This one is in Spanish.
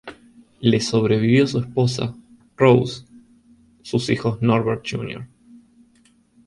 Le sobrevivió su esposa, Rose, sus hijos Norbert Jr.